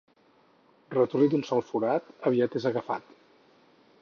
Ratolí d'un sol forat, aviat és agafat.